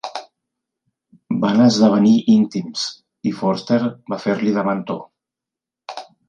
Van esdevenir íntims i Forster va fer-li de mentor.